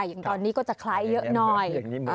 อย่างตอนนี้ก็จะคล้ายเยอะหน่อย